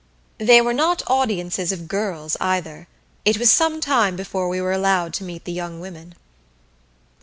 They were not audiences of girls, either. It was some time before we were allowed to meet the young women.